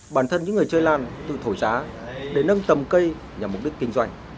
bản thân những người chơi lan tự thổi giá để nâng tầm cây nhằm mục đích kinh doanh